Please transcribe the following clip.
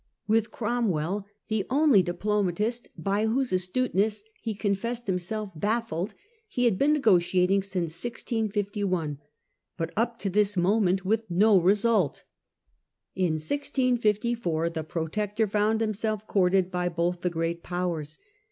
With Cromwell, the only diplomatist by whose astuteness he confessed himself baffled, he had been negotiating since 1651, but up to this moment with no result. In 1654 the Protector found himself courted by both the great powers.